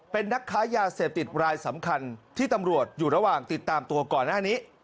เป็นนักค้ายาเสพติดรายสำคัญที่ตำรวจอยู่ระหว่างติดตามตัวก่อนหน้านี้